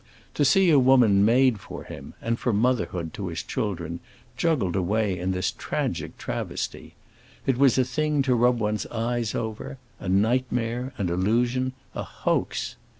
To see a woman made for him and for motherhood to his children juggled away in this tragic travesty—it was a thing to rub one's eyes over, a nightmare, an illusion, a hoax.